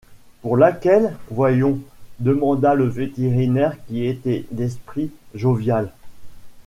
Pour laquelle, voyons? demanda le vétérinaire, qui était d’esprit jovial.